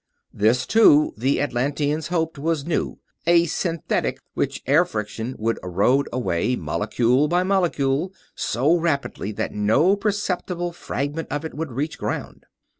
This, too, the Atlanteans hoped, was new a synthetic which air friction would erode away, molecule by molecule, so rapidly that no perceptible fragment of it would reach ground.